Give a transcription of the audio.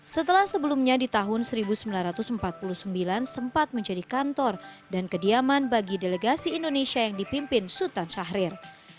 setelah sebelumnya di tahun seribu sembilan ratus empat puluh sembilan sempat menjadi kantor dan kediaman bagi delegasi indonesia yang dipimpin sultan syahrir